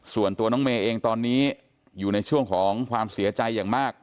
ส่วนตัวน้องเมย์เองตอนนี้อยู่ในช่วงของความเสียใจอย่างมาก